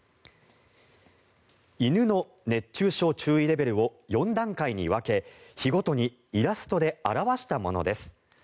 犬の熱中症注意レベルを４段階に分け日ごとにイラストで表したものです。